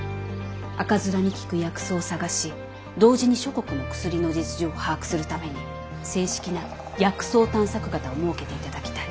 赤面に効く薬草を探し同時に諸国の薬の実情を把握するために正式な薬草探索方を設けて頂きたい。